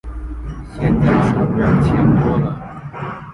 现在手边钱多了